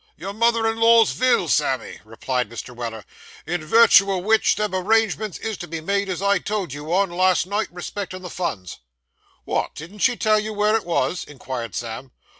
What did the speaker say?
'Your mother in law's vill, Sammy,' replied Mr. Weller. 'In wirtue o' vich, them arrangements is to be made as I told you on, last night, respectin' the funs.' 'Wot, didn't she tell you were it wos?' inquired Sam.